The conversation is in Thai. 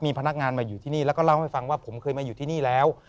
มีพนักงานมาอยู่ที่นี่แล้วก็เล่าให้ฟังว่าผมเคยมาอยู่ที่นี่แล้ว